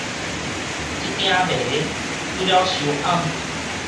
這鼎糜煮了傷泔